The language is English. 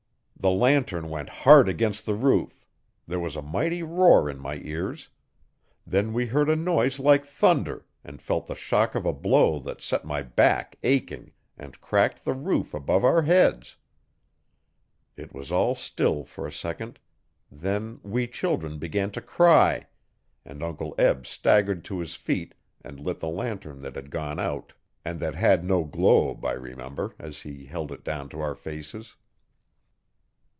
The lantern went hard against the roof; there was a mighty roar in my ears; then we heard a noise like thunder and felt the shock of a blow that set my back aching, and cracked the roof above our heads. It was all still for a second; then we children began to cry, and Uncle Eb staggered to his feet and lit the lantern that had gone out and that had no globe, I remember, as he held it down to our faces.